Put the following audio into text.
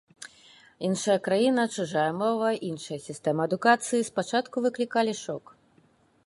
Іншая краіна, чужая мова, іншая сістэма адукацыі спачатку выклікалі шок.